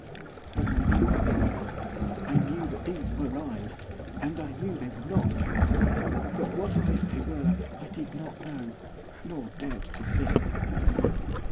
But I knew I lied. I knew that these were eyes, and I knew they were not cats' eyes, but what eyes they were I did not know, nor dared to think.